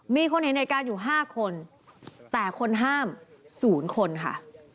มีคนเห็นอาจารย์อยู่๕คนแต่คนห้าม๐คนค่ะ